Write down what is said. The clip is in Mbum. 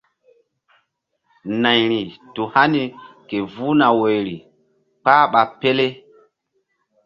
Nayri tu hani ke vuh na woyri kpah ɓa pele.